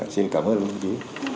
xin cảm ơn đồng chí